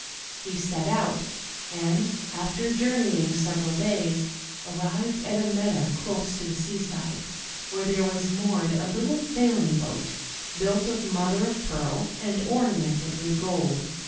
He set out; and, after journeying several days, arrived at a meadow close to the seaside, where there was moored a little sailing boat, built of mother of pearl and orna mented with gold.